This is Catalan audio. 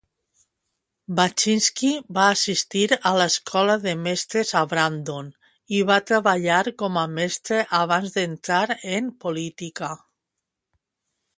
Bachynsky va assistir a l'escola de mestres a Brandon i va treballar com a mestre abans d'entrar en política.